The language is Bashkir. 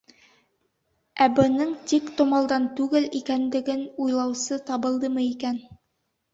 Ә бының тиктомалдан түгел икәнлеген уйлаусы табылдымы икән?